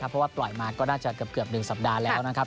เพราะว่าปล่อยมาก็น่าจะเกือบ๑สัปดาห์แล้วนะครับ